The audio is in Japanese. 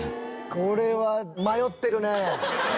これは迷ってるね。